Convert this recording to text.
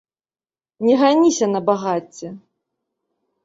Не ганіся на багацце.